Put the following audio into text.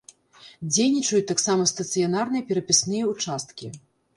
Дзейнічаюць таксама стацыянарныя перапісныя ўчасткі.